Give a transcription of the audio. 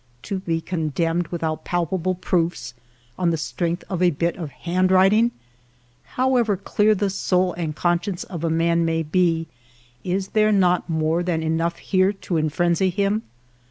To be condemned without palpable proofs, on the strength of a bit of handwriting ! However clear the soul and conscience of a man may be, is there not more than enough here to enfrenzy him